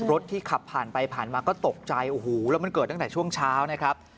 รถที่ขับผ่านไปผ่านมาก็ตกใจโอ้โหแล้วมันเกิดตั้งแต่ช่วงเช้านะครับ